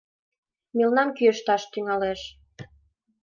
Мелнам кӱэшташ тӱҥалеш.